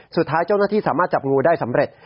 สุดท้ายเจ้าหน้าที่สามารถจับงูได้สำเร็จ